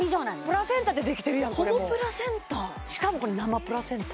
プラセンタでできてるやんもうほぼプラセンタしかもこれ生プラセンタ？